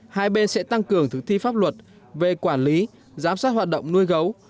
hai bên sẽ tăng cường thực thi pháp luật về quản lý giám sát hoạt động nuôi gấu